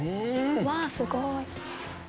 うわすごい！